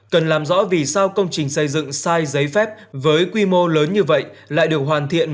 cần làm rõ vì sao công trình xây dựng sai giấy phép với quy mô lớn như vậy lại được hoàn thiện